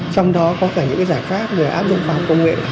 trong đó có cả những giải pháp về áp dụng phóng công nghệ